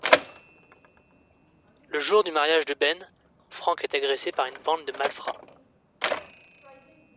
Le jour du mariage de Ben, Frank est agressé par une bande de malfrats.